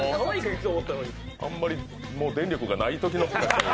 あんまり電力がないときのピカチュウ。